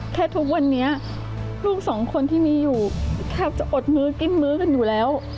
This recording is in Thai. ทุกวันนี้ลูกสองคนที่มีอยู่แทบจะอดมือกิ้มมือกันอยู่แล้ว